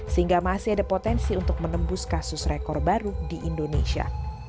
sehingga masih ada potensi untuk menembus kasus rekor baru di indonesia